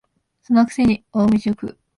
その癖に大飯を食う